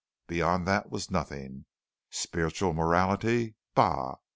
Beyond that was nothing. Spiritual morality? Bah!